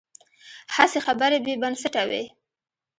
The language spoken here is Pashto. هسې خبرې بې بنسټه وي.